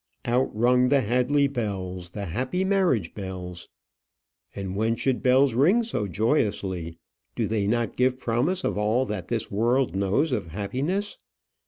Out rung the Hadley bells, the happy marriage bells. And when should bells ring so joyously? Do they not give promise of all that this world knows of happiness?